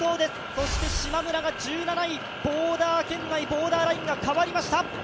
そしてしまむらが１７位、ボーダー圏内、ボーダーラインが変わりました。